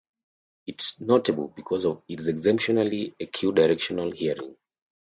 It is notable because of its exceptionally acute directional hearing.